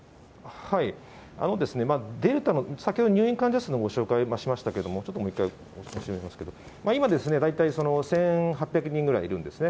デルタの、先ほど、入院患者数をご紹介しましたけども、ちょっともう一回、今大体１８００人ぐらいいるんですね。